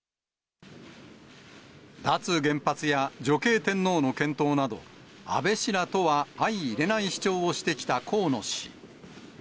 脱原発や女系天皇の検討など、安倍氏らとは相いれない主張をしてきた河野氏。